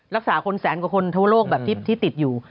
รักษาคนแสนกว่าคนทั่วโลกแบบที่ติดอยู่